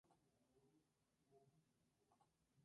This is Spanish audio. Escribió tratados de historia comparada e historia cultural.